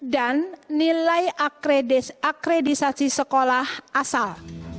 dan nilai akredisasi sekolah asal